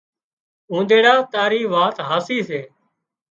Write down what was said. اونۮيڙا تاري وات هاسي سي